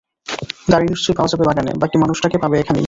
দাড়ি নিশ্চয়ই পাওয়া যাবে বাগানে, বাকি মানুষটাকে পাবে এইখানেই।